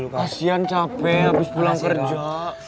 kasian capek habis pulang kerja